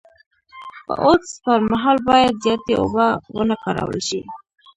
د اودس پر مهال باید زیاتې اوبه و نه کارول شي.